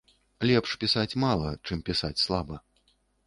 Лепш пісаць мала, чым пісаць слаба.